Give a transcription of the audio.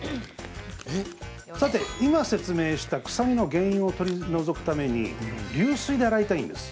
さて今、説明した臭みの原因を取り除くために流水で洗いたいんです。